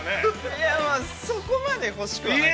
◆いや、まあそこまで欲しくはないです。